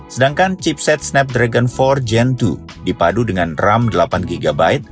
sedangkan chipset snap dragon empat gen dua dipadu dengan ram delapan gb